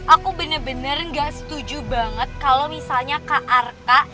aku benar benar enggak setuju banget kalau misalnya kak arka